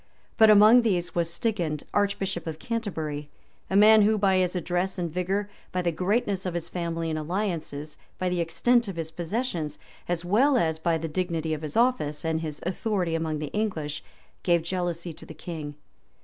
But among these was Stigand, archbishop of Canterbury, a man who, by his address and vigor, by the greatness of his family and alliances, by the extent of his possessions, as well as by the dignity of his office, and his authority among the English, gave jealousy to the king.